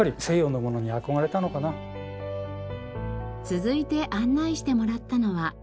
続いて案内してもらったのは。